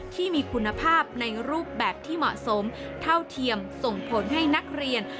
ที่มีคุณภาพในรูปแบบที่เหมาะสมเท่าเทียมส่งผลให้นักเรียน